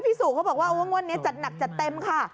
สู่เขาบอกว่างวดนี้จัดหนักจัดเต็มค่ะ